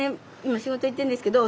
今仕事行ってるんですけど。